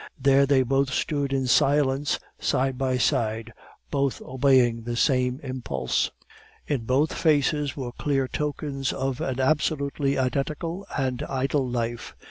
There they both stood in silence, side by side, both obeying the same impulse; in both faces were clear tokens of an absolutely identical and idle life.